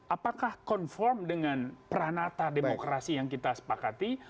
apakah conform dengan pranata demokrasi yang kita sepakati